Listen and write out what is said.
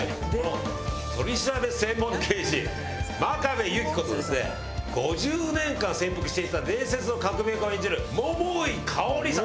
取り調べ専門刑事真壁有希子とですね５０年間潜伏していた伝説の革命家を演じる桃井かおりさん。